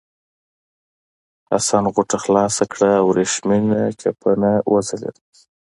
حسن غوټه خلاصه کړه او ورېښمین چپنه وځلېده.